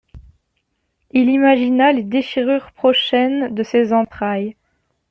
Il imagina les déchirures prochaines de ses entrailles.